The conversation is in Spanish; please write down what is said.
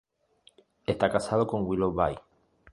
Está casado con Willow Bay.